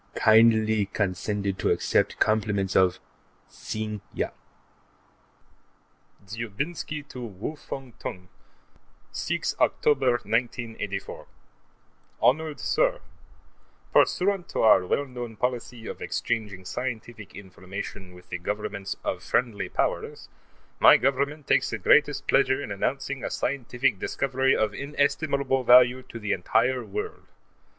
Kindly condescend to accept compliments of, Sing Yat Dzhoubinsky to Wu Fung Tung: 6 October, 1984 Honored Sir: Pursuant to our well known policy of exchanging scientific information with the Governments of friendly Powers, my Government takes the greatest pleasure in announcing a scientific discovery of inestimable value to the entire world.